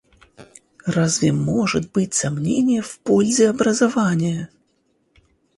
Разве может быть сомнение в пользе образования?